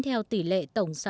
theo tỷ lệ tổng sản phẩm